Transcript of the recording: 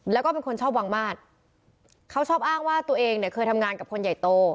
แล้วก็เป็นคนชอบวางมาตรเขาชอบอ้างว่าตัวเองเนี่ยเคยทำงานกับคนใหญ่โต